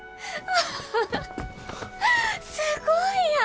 すごいやん！